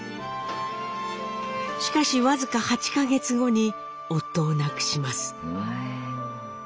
しかし僅か８か月後に夫を亡くします。